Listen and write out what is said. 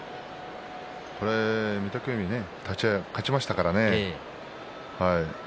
御嶽海、立ち合い勝ちましたからね。